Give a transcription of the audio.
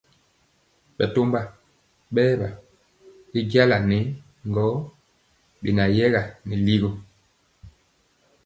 Bɛtɔmba bɛwa y jala nɛ gɔ beyɛga nɛ ligɔ.